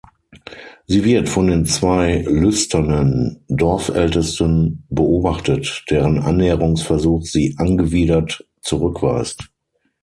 Sie wird von den zwei lüsternen Dorfältesten beobachtet, deren Annäherungsversuch sie angewidert zurückweist.